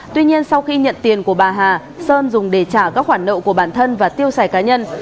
tuy nhiên sau khi nhận tiền của bà hà sơn dùng để trả các khoản nợ của bản thân và tiêu xài cá nhân